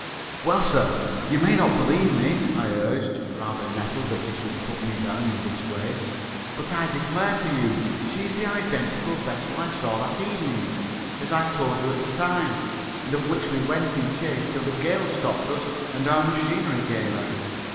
"Well, sir, you may not believe me," I urged, rather nettled that he should put me down in this way, "but I declare to you she is the identical vessel I saw that evening, as I told you at the time, and of which we went in chase till the gale stopped us and our machinery gave out!